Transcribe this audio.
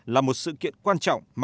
là một sự kiện quan trọng